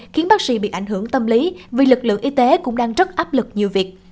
khiến bác sĩ bị ảnh hưởng tâm lý vì lực lượng y tế cũng đang rất áp lực nhiều việc